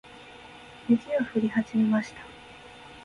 雪が降り始めました。